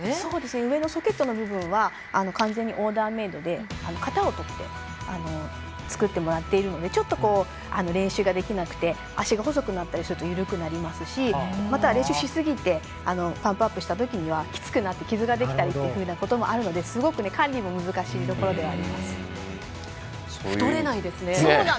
上のソケットの部分は完全にオーダーメードで型をとって作ってもらっているのでちょっと、練習ができなくて足が細くなったりすると緩くなりますしまたは練習しすぎてパンプアップしたときにはきつくなって傷がついたりということもあるのですごく管理も太れないですね。